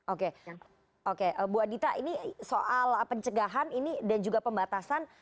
oke oke bu adita ini soal pencegahan ini dan juga pembatasan